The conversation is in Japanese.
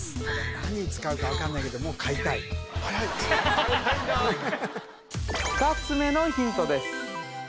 何に使うか分かんないけど早いな２つ目のヒントです